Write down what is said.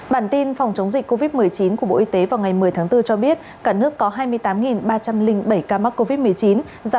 bản tin phòng chống dịch covid một mươi chín của bộ y tế vào ngày một mươi tháng bốn cho biết cả nước có hai mươi tám ba trăm linh bảy ca mắc covid một mươi chín